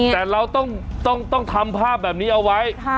แต่เราต้องทำภาพแบบนี้เอาไว้